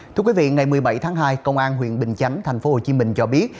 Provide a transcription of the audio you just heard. thưa quý vị ngày một mươi bảy tháng hai công an huyện bình chánh tp hcm cho biết